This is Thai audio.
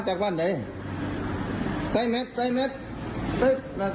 เจ้งความจ้างผมตาย